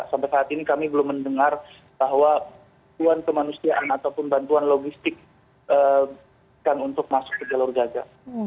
sampai saat ini kami belum mendengar bahwa bantuan kemanusiaan ataupun bantuan logistikkan untuk masuk ke jalur gaza